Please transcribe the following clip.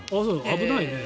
危ないね。